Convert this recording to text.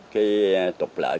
cái tục lợi